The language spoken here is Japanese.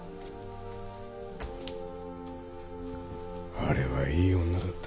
あれはいい女だったよ。